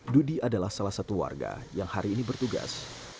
dudi adalah salah satu warga yang hari ini bertugas